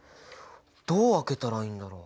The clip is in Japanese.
どう分けたらいいんだろう？